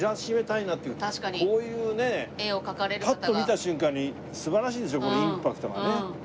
こういうねパッと見た瞬間に素晴らしいでしょこのインパクトがね。